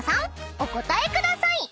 お答えください］